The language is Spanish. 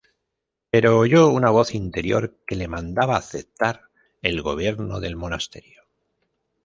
Pero oyó una voz interior que le mandaba aceptar el gobierno del monasterio.